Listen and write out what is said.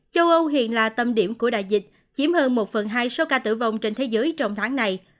châu âu hiện là tâm điểm của đại dịch chiếm hơn một phần hai số ca tử vong trên thế giới trong tháng này